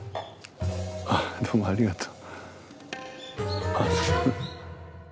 あどうもありがとう。